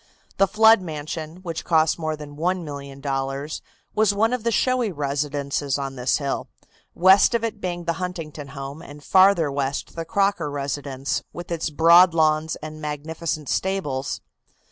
The Flood mansion, which cost more than $1,000,000, was one of the showy residences on this hill, west of it being the Huntington home and farther west the Crocker residence, with its broad lawns and magnificent stables.